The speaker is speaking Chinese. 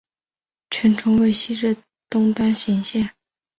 全程为西至东单行线。